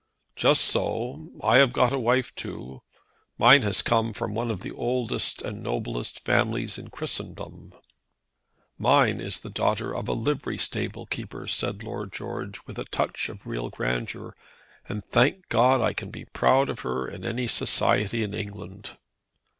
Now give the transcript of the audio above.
"Just so. I have got a wife too. Mine has come from one of the oldest and noblest families in Christendom." "Mine is the granddaughter of a livery stable keeper," said Lord George, with a touch of real grandeur; "and, thank God, I can be proud of her in any society in England."